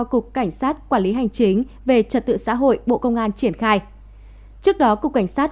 cục cảnh sát quản lý hành chính về trật tự xã hội bộ công an triển khai trước đó cục cảnh sát